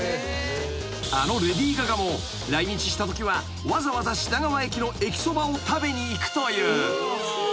［レディー・ガガも来日したときはわざわざ品川駅の駅そばを食べに行くという］